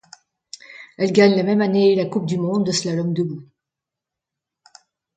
Elle gagne la même année la coupe du monde de slalom debout.